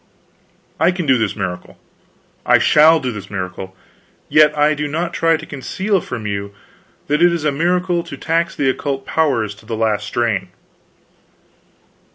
I can do this miracle; I shall do this miracle; yet I do not try to conceal from you that it is a miracle to tax the occult powers to the last strain."